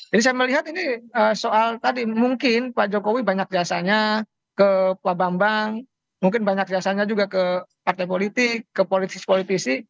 jadi saya melihat ini soal tadi mungkin pak jokowi banyak jasanya ke pak bambang mungkin banyak jasanya juga ke partai politik ke politik politisi